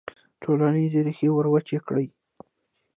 ټولنیزې ریښې وروچې کړي.